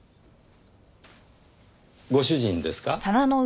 ご主人ですか？